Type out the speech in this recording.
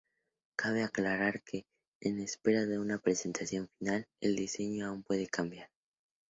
Cabe aclarar que, en espera de una presentación final, el diseño aun puede cambiar.